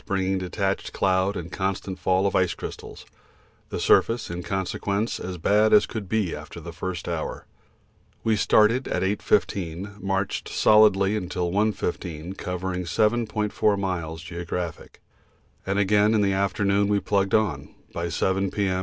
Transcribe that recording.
bringing detached cloud and constant fall of ice crystals. The surface, in consequence, as bad as could be after the first hour. We started at 8.15, marched solidly till 1.15, covering 7.4 miles (geo.), and again in the afternoon we plugged on; by 7 P.M.